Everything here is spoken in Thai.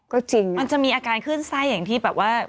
ก็จริงมันจะมีอาการขึ้นไส้อย่างที่แบบว่า